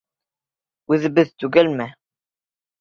Үҙебеҙ түгелме?